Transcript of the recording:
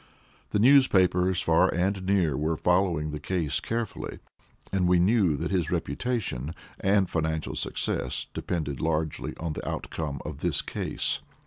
The newspapers far and near were following the case carefully, and we knew that his reputation and financial success depended largely on the outcome of this case.